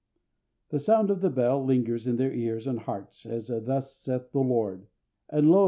The sound of the bell lingers in their ears and hearts as a Thus saith the Lord. And, lo!